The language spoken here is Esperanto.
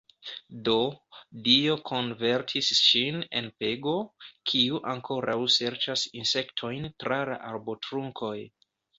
Do, Dio konvertis ŝin en pego, kiu ankoraŭ serĉas insektojn tra la arbotrunkoj.